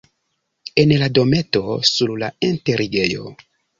En la dometo sur la enterigejo.